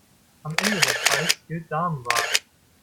Am Ende des Balls gilt Damenwahl.